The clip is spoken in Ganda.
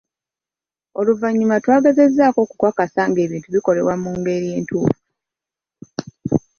Oluvannyuma twagezezzaako okukakasa ng'ebintu bikolebwa mu ngeri entuufu.